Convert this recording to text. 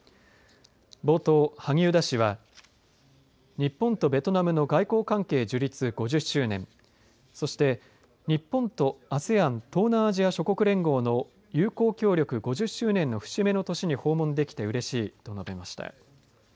冒頭、萩生田氏は日本とベトナムの外交関係樹立５０周年そして日本とＡＳＥＡＮ東南アジア諸国連合の友好協力５０周年の節目の年に訪問できてうれしいと述べました。